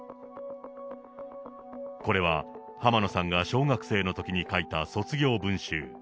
これは、浜野さんが小学生のときに書いた卒業文集。